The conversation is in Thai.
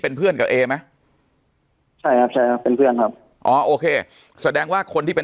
เป็นเพื่อนกับเอไหมใช่ครับใช่ครับเป็นเพื่อนครับอ๋อโอเคแสดงว่าคนที่เป็น